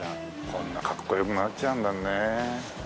こんなかっこよくなっちゃうんだね。